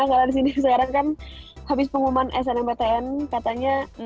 karena disini sekarang kan habis pengumuman snmptn katanya